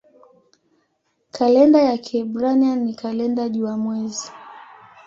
Kalenda ya Kiebrania ni kalenda jua-mwezi.